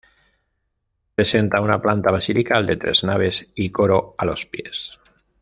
Presenta una planta basilical de tres naves y coro a los pies.